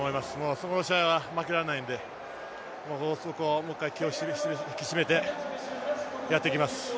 次の試合、負けられないのでそこはもう１回、気を引き締めてやっていきます。